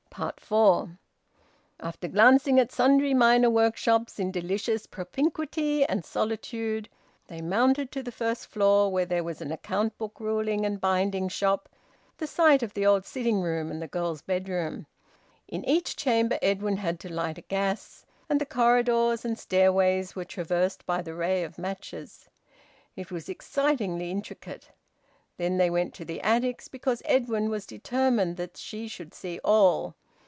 FOUR. After glancing at sundry minor workshops in delicious propinquity and solitude, they mounted to the first floor, where there was an account book ruling and binding shop: the site of the old sitting room and the girls' bedroom. In each chamber Edwin had to light a gas, and the corridors and stairways were traversed by the ray of matches. It was excitingly intricate. Then they went to the attics, because Edwin was determined that she should see all.